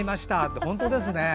本当ですね。